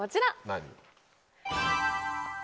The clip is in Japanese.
何？